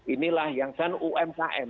inilah yang kan umkm